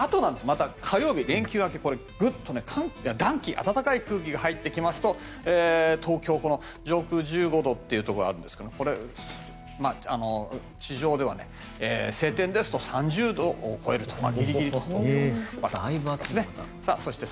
また火曜日、連休明けグッと暖気暖かい空気が入ってきますと東京、上空１５度というところがあるんですが地上では晴天ですと３０度を超えるという。